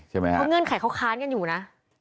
เพราะเงื่อนไขเขาค้านกันอยู่นะ